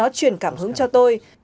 vì vậy nó truyền cảm hứng cho tôi